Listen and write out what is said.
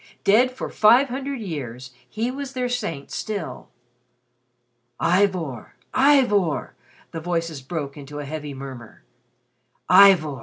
Dead for five hundred years, he was their saint still. "Ivor! Ivor!" the voices broke into a heavy murmur. "Ivor!